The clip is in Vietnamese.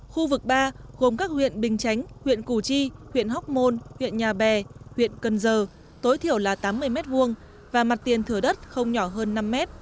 khu vực ba gồm các huyện bình chánh huyện củ chi huyện hóc môn huyện nhà bè huyện cần giờ tối thiểu là tám mươi m hai và mặt tiền thừa đất không nhỏ hơn năm m